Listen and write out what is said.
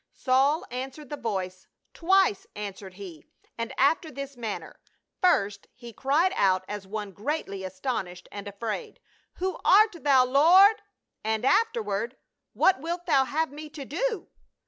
" Saul answered the voice ; twice answered he and after this manner ; first he cried out as one greatly astonished and afraid, 'Who art thou, Lord?' And afterward, 'What wilt thou have me to do